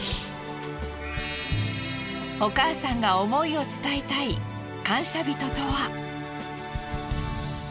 お母さんが思いを伝えたい感謝人とは？